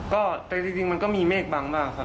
ก็แต่จริงมันก็มีเมฆบังมากครับ